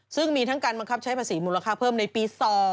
ซึ่งมีทั้งการบังคับใช้ภาษีมูลค่าเพิ่มในปี๒